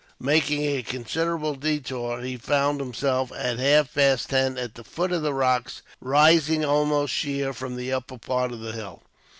Making a considerable detour, he found himself, at half past ten, at the foot of the rocks, rising almost sheer from the upper part of the hill.